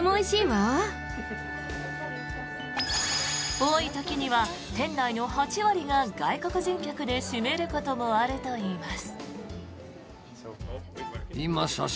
多い時には店内の８割が外国人客で占めることもあるといいます。